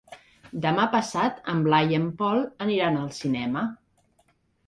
Demà passat en Blai i en Pol aniran al cinema.